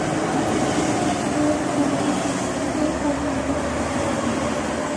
এর কোন একক নেই।